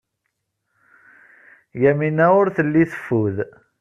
Yamina ur telli teffud.